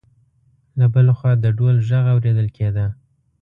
له بل خوا د ډول غږ اورېدل کېده.